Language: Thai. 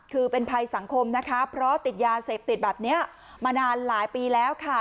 คือเป็นภัยสังคมนะคะเพราะติดยาเสพติดแบบนี้มานานหลายปีแล้วค่ะ